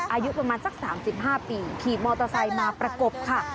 อายุประมาณสัก๓๕ปีขี่มอเตอร์ไซค์มาประกบค่ะ